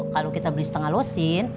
kalau kita beli setengah losin